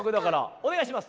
おねがいします！